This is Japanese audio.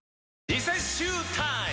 リセッシュータイム！